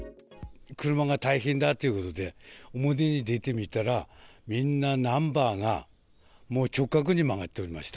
車が大変だということで、表に出てみたら、みんなナンバーが、もう直角に曲がっておりました。